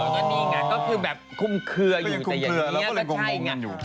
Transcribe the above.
ก็นี่ไงก็คือแบบคุมเคลื่อนอยู่ใดอย่างนี้